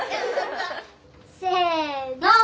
せの。